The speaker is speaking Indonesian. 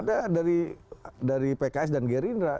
ada dari pks dan gerindra